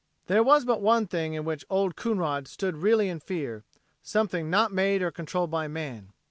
There was but one thing in which Old Coonrod stood really in fear, something not made or controlled by man.